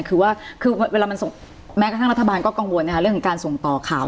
คือแม้กระทั่งรัฐบาลก็กังวลเรื่องการส่งต่อข่าว